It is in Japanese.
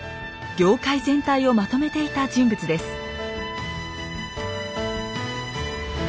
業界全体をまとめていた人物です。